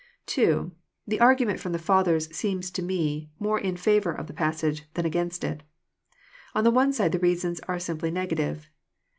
2. The argument from the Fathers seems to me more in favour of the passage than against it. — On the one side the reasons are simply negative.